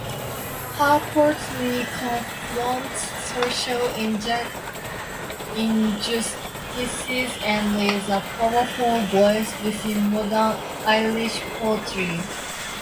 Her poetry confronts social injustices and is a powerful voice within modern Irish poetry.